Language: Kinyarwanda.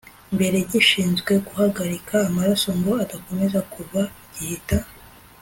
mbere gishinzwe guhagarika amaraso ngo adakomeza kuva gihita